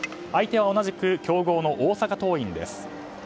相手は同じく強豪の大阪桐蔭です。